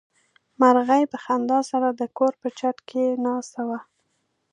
مرغۍ په خندا سره د کور په چت کې ناسته وه.